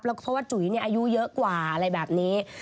เพราะว่าจุ๋ยอายุเยอะกว่าอะไรแบบนี้